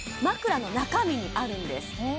枕の中身にあるんです